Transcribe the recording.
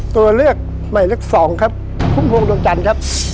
ตัวเลือกใหม่เลือกสองครับพุ่มพวงดวงจันทร์ครับ